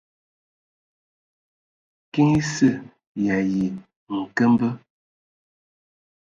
Kiŋ esə y ayi nkəmbə.